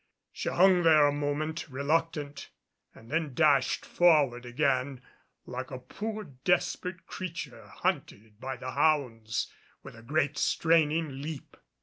She hung there a moment, reluctant; and then dashed forward again like a poor desperate creature hunted by the hounds, with a great straining leap.